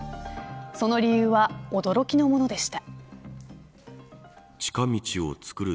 その理由は驚きのものでした。